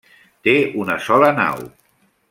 Té una sola nau.